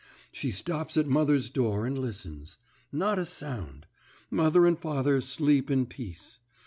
She stops at mother's door and listens. Not a sound. Mother and father sleep in peace.